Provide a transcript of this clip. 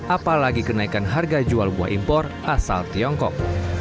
apalagi kenaikan harga jual buah impor asal tiongkok